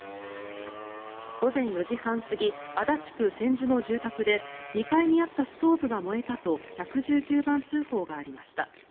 午前４時半過ぎ足立区千住の住宅で２階にあったストーブが燃えたと１１９番通報がありました。